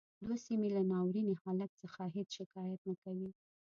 دوی د سیمې له ناوریني حالت څخه هیڅ شکایت نه کوي